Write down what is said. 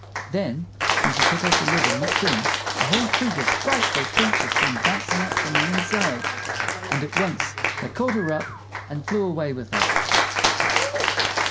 Then, when she took off the lid and looked in, a whole troop of frightful creatures came bouncing out from the inside, and at once they caught her up and flew away with her.